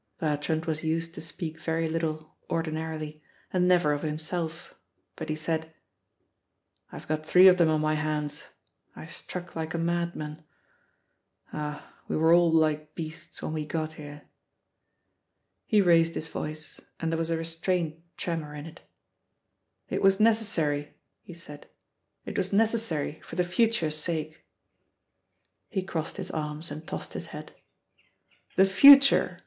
Bertrand was used to speak very little ordinarily, and never of himself. But he said, "I've got three of them on my hands. I struck like a madman. Ah, we were all like beasts when we got here!" He raised his voice and there was a restrained tremor in it: "it was necessary," he said, "it was necessary, for the future's sake." He crossed his arms and tossed his head: "The future!"